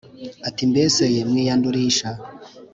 Ati mbese ye mwiyandurisha